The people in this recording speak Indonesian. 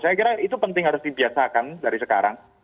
saya kira itu penting harus dibiasakan dari sekarang